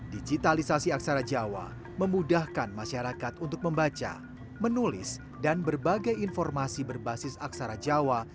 digitalisasi aksara jawa memudahkan masyarakat untuk membaca menulis dan berbagai informasi berbasis aksara jawa